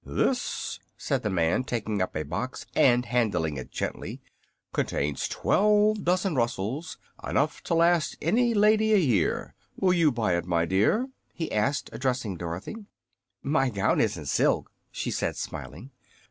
"This," said the man, taking up a box and handling it gently, "contains twelve dozen rustles enough to last any lady a year. Will you buy it, my dear?" he asked, addressing Dorothy. "My gown isn't silk," she said, smiling.